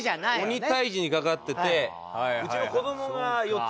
「鬼退治」にかかってて。